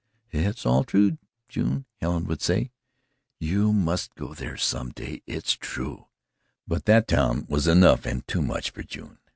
"It's all true, June," Helen would say. "You must go there some day. It's true." But that town was enough and too much for June.